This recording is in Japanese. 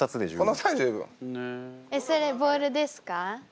これボールです。